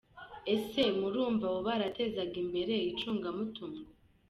Ese murumva abo baratezaga imbere icungamutungo?”.